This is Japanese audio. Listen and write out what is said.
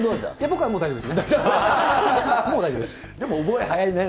僕はもう大丈夫ですね。